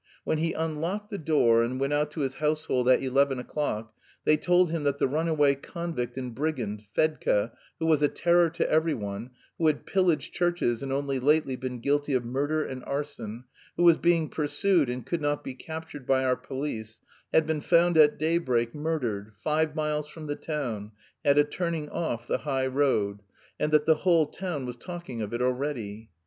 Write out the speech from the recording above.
When he unlocked his door and went out to his household at eleven o'clock they told him that the runaway convict and brigand, Fedka, who was a terror to every one, who had pillaged churches and only lately been guilty of murder and arson, who was being pursued and could not be captured by our police, had been found at daybreak murdered, five miles from the town, at a turning off the high road, and that the whole town was talking of it already.